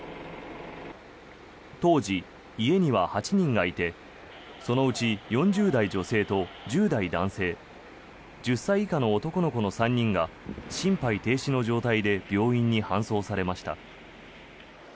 当時、家には８人がいてそのうち４０代女性と１０代男性１０歳以下の男の子の３人が心肺停止の状態で病院に搬送されました。